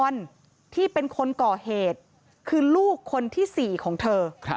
ที่เป็นคนก่อเหตุคือลูกคนที่๔ของเธอ